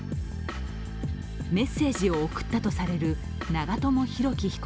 メッセージを送ったとされる長友寿樹被告